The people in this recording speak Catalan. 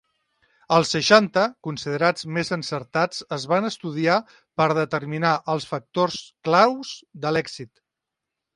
Els seixanta considerats més encertats es van estudiar per determinar els factors claus de l'èxit.